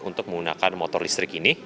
untuk menggunakan motor listrik ini